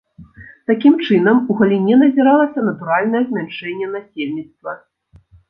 Такім чынам, у галіне назіралася натуральнае змяншэнне насельніцтва.